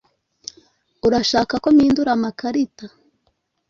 Urashaka ko mpindura amakarita?